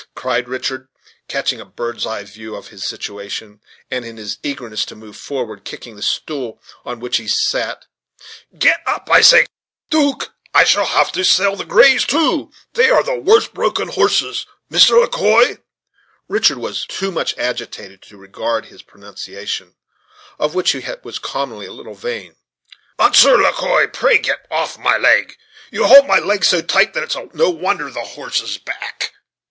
cried Richard, catching a bird's eye view of his situation, and in his eagerness to move forward kicking the stool on which he sat "get up, I say Cousin 'Duke, I shall have to sell the grays too; they are the worst broken horses Mr. Le Quoi" Richard was too much agitated to regard his pronunciation, of which he was commonly a little vain: "Monsieur La Quoi, pray get off my leg; you hold my leg so tight that it's no wonder the horses back."